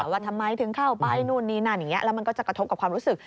ว่าทำไมถึงเข้าป๊ายนู่นนี่นั่นแล้วมันก็จะกระทบกับความรู้สึก